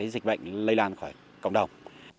dịch bệnh lây lan khỏi cộng đồng